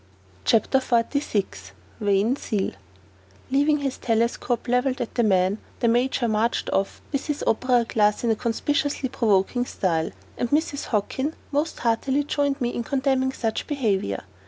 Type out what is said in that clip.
CHAPTER XLVI VAIN ZEAL Leaving his telescope leveled at the men, the Major marched off with his opera glass in a consciously provoking style, and Mrs. Hockin most heartily joined me in condemning such behavior.